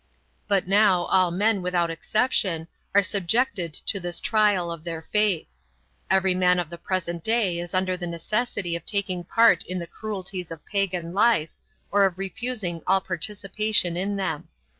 But now all men, without exception, are subjected to this trial of their faith. Every man of the present day is under the necessity of taking part in the cruelties of pagan life, or of refusing all participation in them.